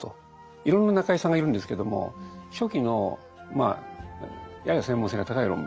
いろんな中井さんがいるんですけども初期のやや専門性が高い論文